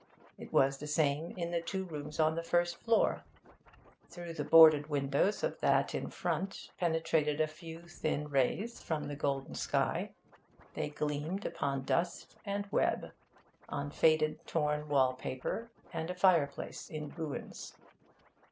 It was the same in the two rooms on the first floor. Through the boarded windows of that in front penetrated a few thin rays from the golden sky; they gleamed upon dust and web, on faded, torn wall paper and a fireplace in ruins.